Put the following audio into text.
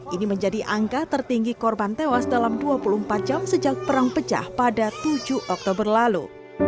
ini menjadi angka tertinggi korban tewas dalam dua puluh empat jam sejak perang pecah pada tujuh oktober lalu